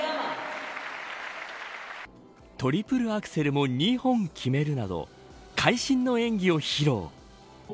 トリプルアクセルも２本決めるなど会心の演技を披露。